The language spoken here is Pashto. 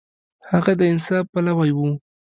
هغه د انصاف پلوی و.